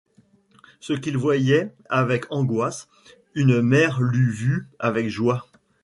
Ce qu’il voyait avec angoisse, une mère l’eût vu avec joie.